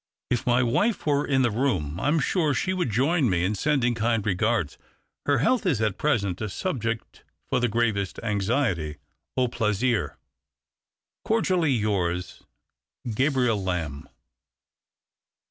" If my wife were in the room, I am sure she would join me in sending kind regards. Her health is at present a subject for the gravest anxiety. Au plaisir. " Cordially yours, " Gabriel Lamb."